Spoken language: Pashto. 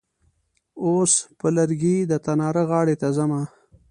اوس په لرګي د تناره غاړې ته ځمه.